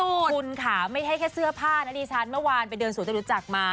พูดคุณค่ะไม่ได้แค่เสื้อผ้านัทดีฉันเมื่อวานไปเดินสู่จะรู้จักมา